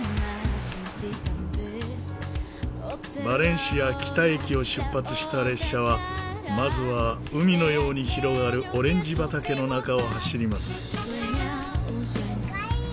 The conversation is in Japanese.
バレンシア北駅を出発した列車はまずは海のように広がるオレンジ畑の中を走ります。